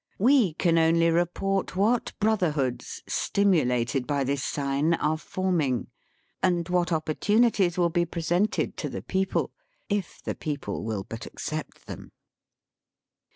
We can only report what Brotherhoods, stimulated by this sign, are forming ; and what opportunities will be pre sented to the people, if the people will but accept them.